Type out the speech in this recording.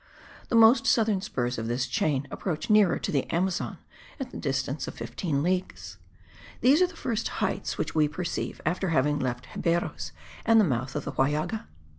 The most southern spurs of this chain approach nearer to the Amazon, at the distance of fifteen leagues. These are the first heights which we perceived after having left Xeberos and the mouth of the Huallaga.